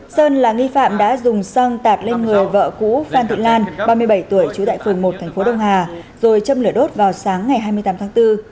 sơn là nghi phạm đã dùng xăng tạt lên người vợ cũ phan thị lan ba mươi bảy tuổi trú tại phường một thành phố đông hà rồi châm lửa đốt vào sáng ngày hai mươi tám tháng bốn